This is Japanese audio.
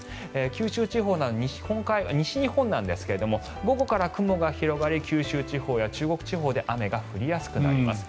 九州地方、西日本ですが午後から雲が広がり九州地方や中国地方で雨が降りやすくなります。